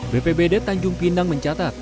bpbd tanjung pinang mencatat